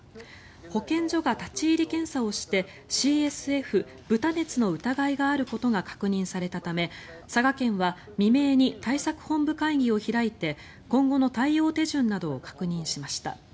保健所が立ち入り検査をしてＣＳＦ・豚熱の疑いがあることが確認されたため佐賀県は未明に対策本部会議を開いて今後の対応手順などを確認しました。